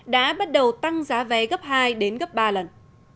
đã bắt đầu tăng giá vé gấp hai đến gấp ba lần